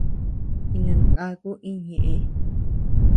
Jinangaku íñ ñeʼe.